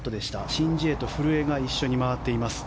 シン・ジエと古江が一緒に回っています。